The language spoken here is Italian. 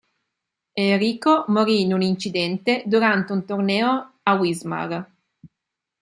Enrico morì in un incidente durante un torneo a Wismar.